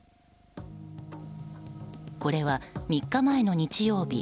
これは３日前の日曜日